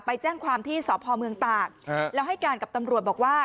ไปแจ้งความที่สพเมืองตากแล้วให้การกับตำรวจบอกว่า